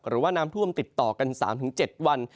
หรือว่าน้ำท่วมติดต่อกัน๓๗วัน